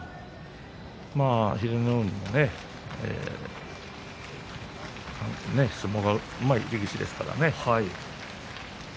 まあ、英乃海がね相撲がうまい力士ですからね。